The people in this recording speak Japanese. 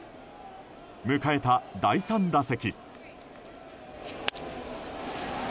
迎えた第３打席。